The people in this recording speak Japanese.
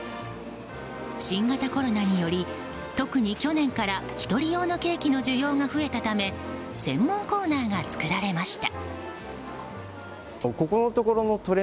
新型コロナにより特に去年から１人用のケーキの需要が増えたため専門コーナーが作られました。